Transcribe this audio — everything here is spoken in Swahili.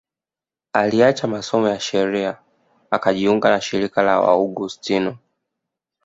Aliacha masomo ya sheria akajiunga na shirika la Waaugustino